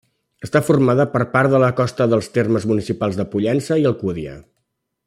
Està formada per part de la costa dels termes municipals de Pollença i d'Alcúdia.